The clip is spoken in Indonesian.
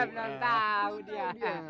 belum tau dia